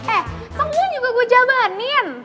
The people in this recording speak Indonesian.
eh semuanya juga gue jabanin